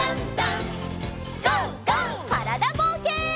からだぼうけん。